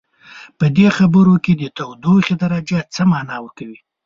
په دې خبر کې د تودوخې درجه څه معنا ورکوي؟